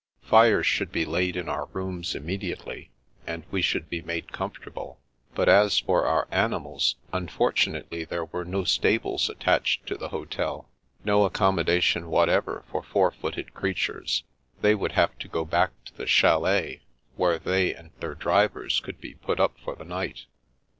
Fires should be laid in our rooms immediately, and we should be made comfortable, but as for our animals, unfortunately there were no stables attached to the hotel, no accommodation whatever for four footed creatures. They would have to go back to the chalet, where they and their drivers could be put up for the night.